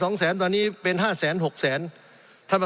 สงบจนจะตายหมดแล้วครับ